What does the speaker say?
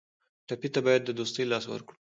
ټپي ته باید د دوستۍ لاس ورکړو.